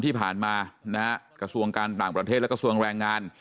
ที่ผ่านมานะฮะกระทรวงการต่างประเทศและกระทรวงแรงงาน